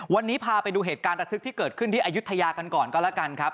วันนี้พาไปดูเหตุการณ์ระทึกที่เกิดขึ้นที่อายุทยากันก่อนก็แล้วกันครับ